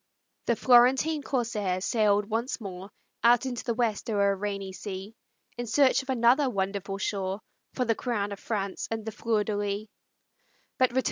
The Florentine corsair sailed once more, Out into the West o'er a rainy sea, In search of another wonderful shore For the crown of France and the Fleur de lis.